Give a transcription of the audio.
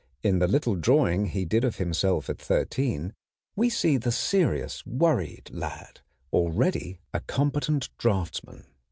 In the little drawing he did of himself at thirteen we see the serious, worried lad already a competent draftsman.